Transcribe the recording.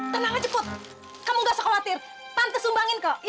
tenang aja put kamu nggak usah khawatir tante sumbangin kok ya